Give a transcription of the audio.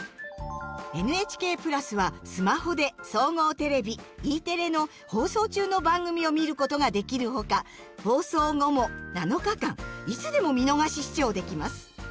ＮＨＫ＋はスマホで総合テレビＥテレの放送中の番組を見ることができるほか放送後も７日間いつでも見逃し視聴できます。